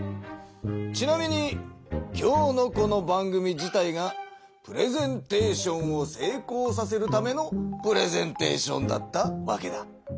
ちなみに今日のこの番組自体がプレゼンテーションをせいこうさせるためのプレゼンテーションだったわけだ。